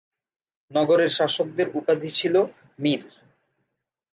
নগরের শাসকদের উপাধি ছিল "মীর"।